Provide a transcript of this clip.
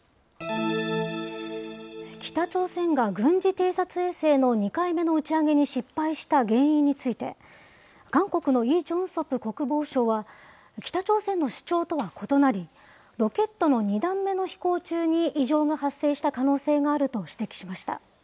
北朝鮮が軍事偵察衛星の２回目の打ち上げに失敗した原因について、韓国のイ・ジョンソプ国防相は、北朝鮮の主張とは異なり、ロケットの２段目の飛行中に異常が発生した可能性があると指摘しました。